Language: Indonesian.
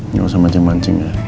gak usah mancing mancing ya